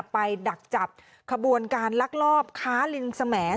ดักจับขบวนการลักลอบค้าลิงสแหมด